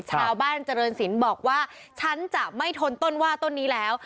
ชาวบ้านเจริญศิลป์บอกว่าฉันจะไม่ทนต้นว่าต้นนี้แล้ว